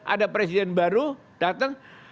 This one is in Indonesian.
ada presiden baru dateng